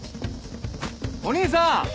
お兄さん！